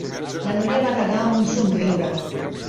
La noia va negar amb un somriure.